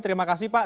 terima kasih pak